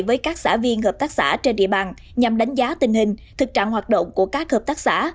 với các xã viên hợp tác xã trên địa bàn nhằm đánh giá tình hình thực trạng hoạt động của các hợp tác xã